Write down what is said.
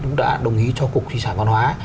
cũng đã đồng ý cho cục thủy sản văn hóa